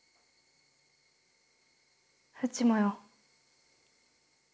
うちもよ。